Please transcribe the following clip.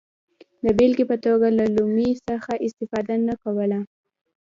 د بېلګې په توګه له لومې څخه استفاده نه کوله.